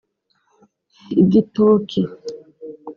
Igitoki